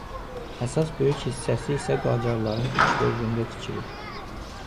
Əsas böyük hissəsi isə Qacarların ilk dövründə tikilib.